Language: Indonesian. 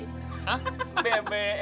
hah bbm lo bisa